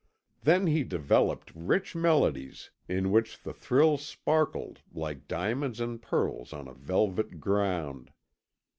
Then he developed rich melodies in which the thrills sparkled like diamonds and pearls on a velvet ground.